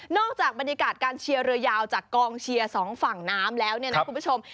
จากบรรยากาศการเชียร์เรือยาวจากกองเชียร์สองฝั่งน้ำแล้วเนี่ยนะคุณผู้ชม